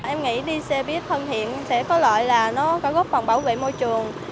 em nghĩ đi xe buýt thân thiện sẽ có lợi là nó có góp bằng bảo vệ môi trường